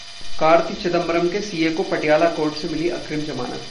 कार्ति चिदंबरम के सीए को पटियाला कोर्ट से मिली अग्रिम जमानत